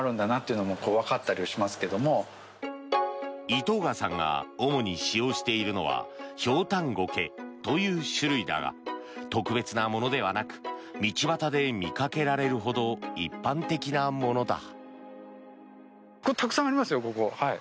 井藤賀さんが主に使用しているのはヒョウタンゴケという種類だが特別なものではなく道端で見かけられるほど一般的なものだ。